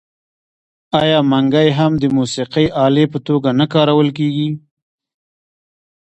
آیا منګی هم د موسیقۍ الې په توګه نه کارول کیږي؟